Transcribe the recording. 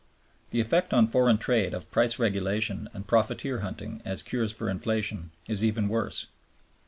The effect on foreign trade of price regulation and profiteer hunting as cures for inflation is even worse.